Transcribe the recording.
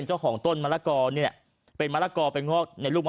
โชคของต้นมลักตัวเนี่ยเป็นมรกออกไปงอกในรูปมะ